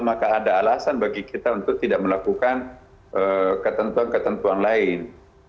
maka ada alasan bagi kita untuk tidak melakukan ketentuan ketentuan lain